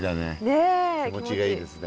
ええ気持ちいいですね。